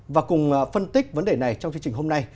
và cùng phân tích vấn đề này trong chương trình hôm nay